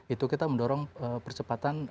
itu kita mendorong percepatan